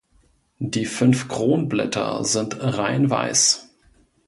Die fünf Kronblätter sind reinweiß.